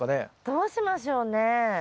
どうしましょうね。